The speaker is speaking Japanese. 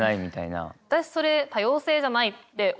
私それ多様性じゃないって思うのよ。